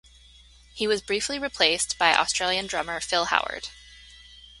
He was briefly replaced by Australian drummer Phil Howard.